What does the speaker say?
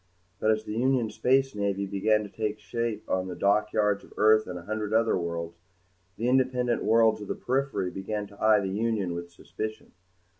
But as the Union Space Navy began to take shape on the dockyards of Earth and a hundred other worlds, the independent worlds of the periphery began to eye the Union with suspicion.